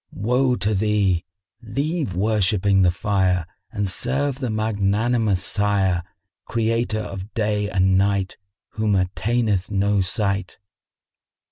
Woe to thee! Leave worshipping the Fire and serve the Magnanimous Sire, Creator of day and night, whom attaineth no sight."